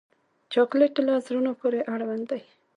چاکلېټ له زړونو پورې اړوند دی.